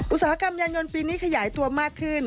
อุตสาหกรรมยานยนต์ปีนี้ขยายตัวมากขึ้น